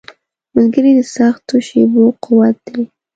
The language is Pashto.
ملګری د سختو شېبو قوت دی.